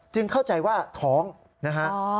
เข้าใจว่าท้องนะฮะ